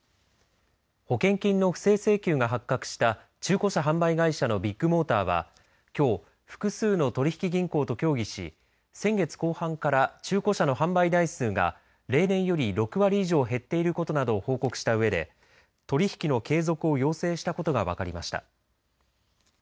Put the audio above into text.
保険金の不正請求が発覚した中古車販売会社のビッグモーターはきょう、複数の取引銀行と協議し先月後半から中古車の販売台数が例年より６割以上減っていることなどを報告したうえで取り引きの継続を要請したことが分かりました。